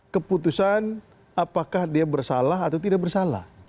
keputusan apakah dia bersalah atau tidak bersalah